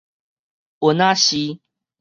勻仔是